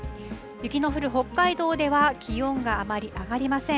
雪の降る北海道では、気温があまり上がりません。